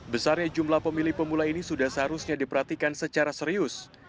besarnya jumlah pemilih pemula ini sudah seharusnya diperhatikan secara serius